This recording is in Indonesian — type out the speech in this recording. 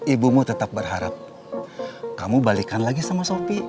ibumu tetap berharap kamu balikkan lagi sama sophie